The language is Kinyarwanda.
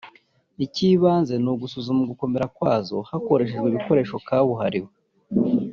icy’ibanze ni ugusuzuma ugukomera kwazo hakoreshejwe ibikoresho kabuhariwe